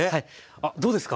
あっどうですか？